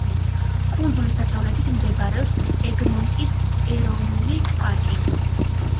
კუნძულის დასავლეთით მდებარეობს ეგმონტის ეროვნული პარკი.